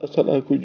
salah aku juga